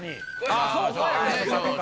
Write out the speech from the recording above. あぁそうか。